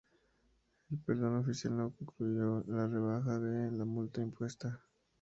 El perdón oficial no incluyó la rebaja de la multa impuesta.